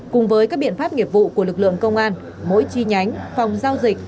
cùng với các biện pháp nghiệp vụ của lực lượng công an mỗi chi nhánh phòng giao dịch